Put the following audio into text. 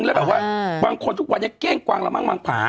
แล้วแบบว่าบางคนทุกวันนี้เก้งกวางแล้วมั่งมังผา